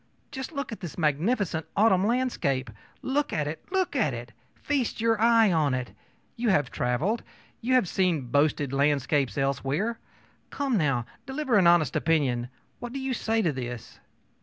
Just look at this magnificent autumn landscape! Look at it! look at it! Feast your eye on it! You have traveled; you have seen boasted landscapes elsewhere. Come, now, deliver an honest opinion. What do you say to this?